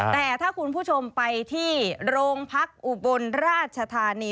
แต่ถ้าคุณผู้ชมไปที่โรงพักอุบลราชธานี